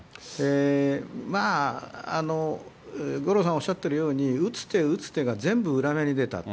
まあ、五郎さんおっしゃってるように、打つ手打つ手が全部裏目に出た。